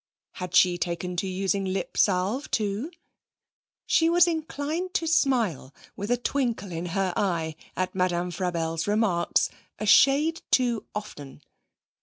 Had she taken to using lip salve too? She was inclined to smile, with a twinkle in her eye, at Madame Frabelle's remarks, a shade too often.